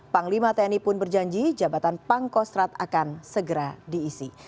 panglima tni pun berjanji jabatan pangkostrat akan segera diisi